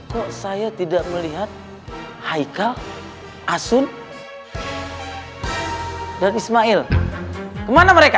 kok saya tidak melihat haikal asun dan ismail kemana mereka